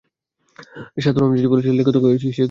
সাধু রামজি যে বলেছে লেগে থাকো, সে কিছু একটা করছে।